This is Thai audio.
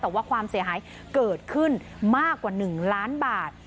แต่ว่าความเสียหายเกิดขึ้นมากกว่า๑ล้านบาท